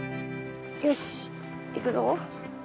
よし行くぞ。